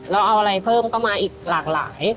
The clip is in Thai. เราเอาอะไรเพิ่มก็มาอีกหลากหลาย